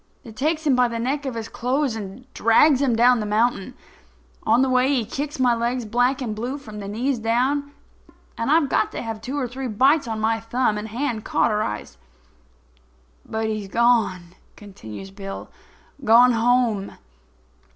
I takes him by the neck of his clothes and drags him down the mountain. On the way he kicks my legs black and blue from the knees down; and I've got to have two or three bites on my thumb and hand cauterized. "But he's gone"—continues Bill—"gone home.